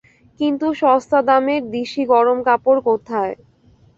কিন্তু সস্তা দামের দিশি গরম কাপড় কোথায়?